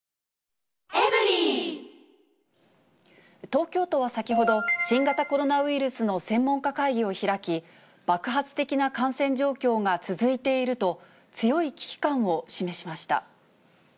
東京都は先ほど、新型コロナウイルスの専門家会議を開き、爆発的な感染状況が続いていると、強い危機感を示しました。